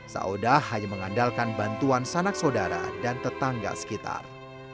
sauda hanya mengandalkan bantuan sanak saudara dan tetangga sekitar